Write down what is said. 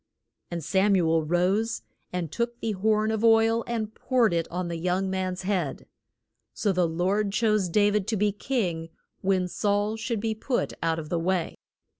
And Sam u el rose, and took the horn of oil and poured it on the young man's head. So the Lord chose Da vid to be king when Saul should be put out of the way.